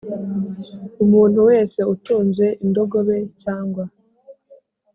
Umuntu wese utunze indogobe cyangwa